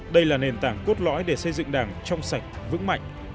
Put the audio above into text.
đây là nền tảng cốt lõi để xây dựng đảng trong sạch vững mạnh